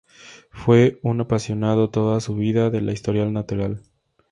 Fue un apasionado toda su vida de la historia natural.